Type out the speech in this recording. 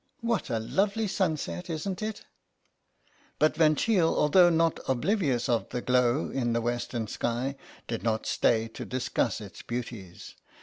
What a lovely sunset, isn't it ?" But Van Cheele, although not oblivious of the glow in the western sky, did not stay to discuss its beauties.